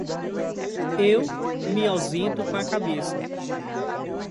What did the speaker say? Eu me ausento com a cabeça.